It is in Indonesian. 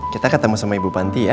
kita ketemu sama ibu panti ya